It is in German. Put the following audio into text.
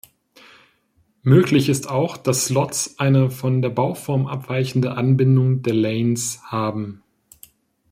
Möglich ist auch, dass Slots eine von der Bauform abweichende Anbindung der Lanes haben.